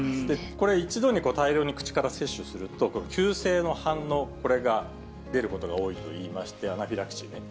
これ、一度に大量に口から摂取すると、急性の反応、これが出ることが多いといいまして、アナフィラキシーね。